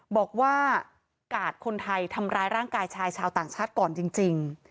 บอกว่ากาดคนไทยทำร้ายร่างกายชายชาวต่างชาติก่อนจริง